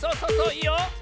いいよ！